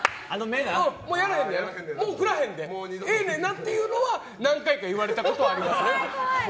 もう振らへんでいいよなっていうのは何回か言われたことはあります。